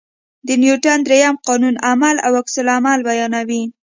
د نیوټن درېیم قانون عمل او عکس العمل بیانوي.